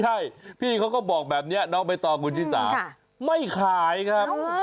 ใช่พี่เขาก็บอกแบบนี้น้องใบตองคุณชิสาไม่ขายครับ